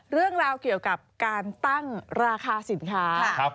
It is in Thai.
เรื่องราวเกี่ยวกับการตั้งราคาสินค้า